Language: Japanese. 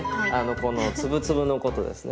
この粒々のことですね。